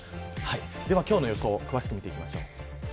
では今日の予想を詳しく見ていきます。